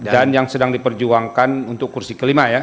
dan yang sedang diperjuangkan untuk kursi ke lima ya